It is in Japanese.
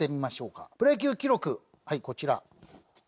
プロ野球記録はいこちら。